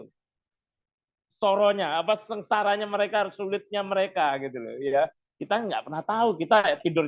hai soronya apa sengsaranya mereka harus sulitnya mereka gitu ya kita nggak pernah tahu kita tidur